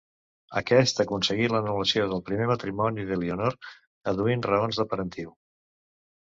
Aquest aconseguí l'anul·lació del primer matrimoni d'Elionor adduint raons de parentiu.